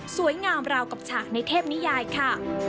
งามราวกับฉากในเทพนิยายค่ะ